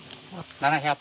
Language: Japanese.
７００。